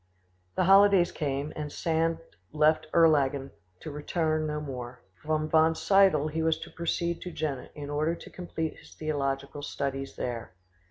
The holidays came, and Sand left Erlangen to return no more. From Wonsiedel he was to proceed to Jena, in order to complete his theological studies there.